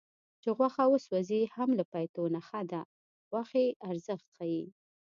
چې غوښه وسوځي هم له پیتو نه ښه ده د غوښې ارزښت ښيي